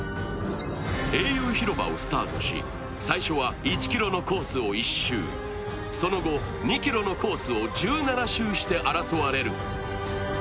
英雄広場をスタートし、最初は１ｋｍのコースを１周その後、２ｋｍのコースを１７周して争われる。